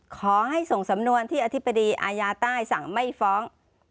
ขอให้ส่งสำนวนที่อธิบดีอายาใต้สั่งไม่ฟ้อง